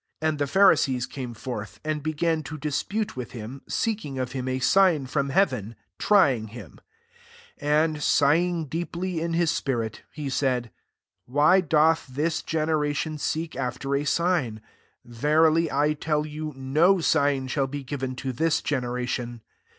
11 And the Phariseos came forth, and began to di»* pute with him, seeking of him a sign from heaven, trying hinw 12 And sighing *deeplj in Ue^ spirit, he said, " Why doth thifl generation seek after a sign^ verily I tell you. No sign shafi be given to this generation."!